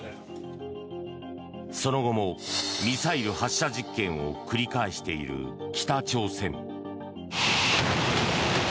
その後もミサイル発射実験を繰り返している北朝鮮。